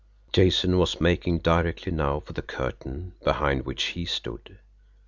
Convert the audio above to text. Jason was making directly now for the curtain behind which he stood!